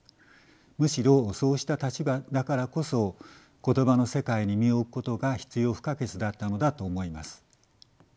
むしろそうした立場だからこそ言葉の世界に身を置くことが必要不可欠だったのだと思います。